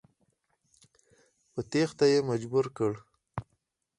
په تېښته یې مجبور کړ.